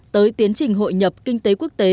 tới tiến trình hội nhập kinh tế quốc tế